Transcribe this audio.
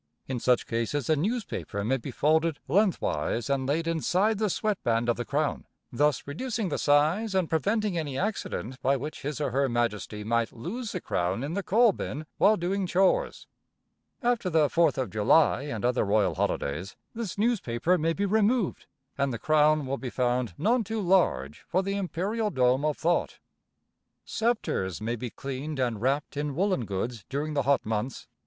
In such cases a newspaper may be folded lengthwise and laid inside the sweat band of the crown, thus reducing the size and preventing any accident by which his or her majesty might lose the crown in the coal bin while doing chores. After the Fourth of July and other royal holidays, this newspaper may be removed, and the crown will be found none too large for the imperial dome of thought. Sceptres may be cleaned and wrapped in woolen goods during the hot months.